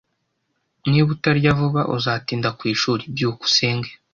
Niba utarya vuba, uzatinda kwishuri. byukusenge